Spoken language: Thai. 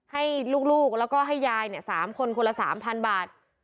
ให้ลูกแล้วก็ให้ยาย๓คนคนละ๓๐๐บาท